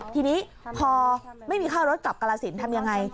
ทีนี้พอไม่มีค่ารถกลับกรสินทำยังไง